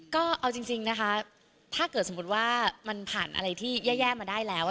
ก็เอาจริงนะคะถ้าเกิดสมมุติว่ามันผ่านอะไรที่แย่มาได้แล้ว